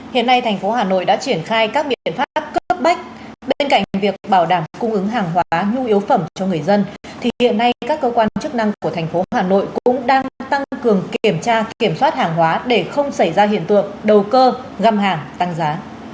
hiện nay thành phố hà nội đã triển khai các biện pháp cấp bách bên cạnh việc bảo đảm cung ứng hàng hóa nhu yếu phẩm cho người dân thì hiện nay các cơ quan chức năng của thành phố hà nội cũng đang tăng cường kiểm tra kiểm soát hàng hóa để không xảy ra hiện tượng đầu cơ găm hàng tăng giá